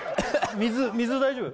水水大丈夫？